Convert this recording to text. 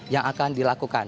yang akan dilakukan